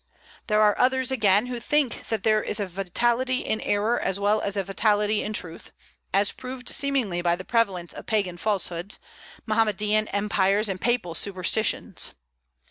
There are others, again, who think that there is a vitality in error as well as a vitality in truth, as proved seemingly by the prevalence of Pagan falsehoods, Mohammedan empires, and Papal superstitions.